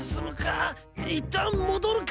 いったん戻るか？